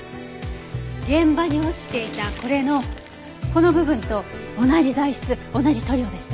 現場に落ちていたこれのこの部分と同じ材質同じ塗料でした。